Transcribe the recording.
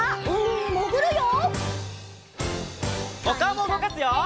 おかおもうごかすよ！